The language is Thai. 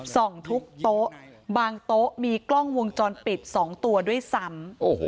ส่องทุกโต๊ะบางโต๊ะมีกล้องวงจรปิด๒ตัวด้วยซ้ำ